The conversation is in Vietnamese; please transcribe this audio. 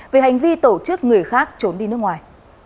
về hành vi tổ chức người khác trốn đi nước ngoài